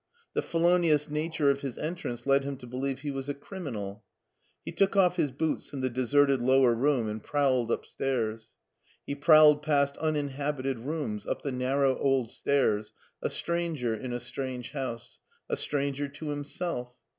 The felonious nature of his entrance led him to be lieve he was a criminal He took off his boots in the deserted lower room and prowled upstairs. He prowled past uninhabited rooms, up the narrow old stairs— a stranger in a strange house, a stranger to himself.